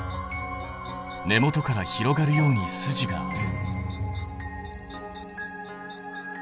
根元から広がるように筋がある。